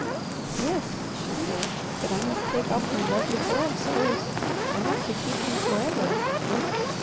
"Yes," she said. "But I must take off my lovely gloves first. I want to keep them forever."